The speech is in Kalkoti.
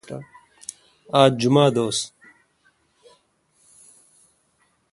آج جمعہ دوس